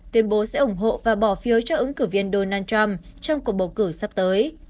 tuyên bố sẽ ủng hộ và bỏ phiếu cho ứng cử viên donald trump trong cuộc bầu cử sắp tới